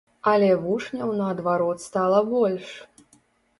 Але вучняў наадварот стала больш!